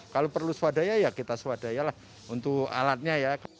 kalau perlu swadaya ya kita swadaya lah untuk alatnya ya